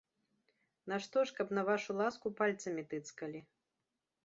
Нашто ж, каб на вашу ласку пальцамі тыцкалі.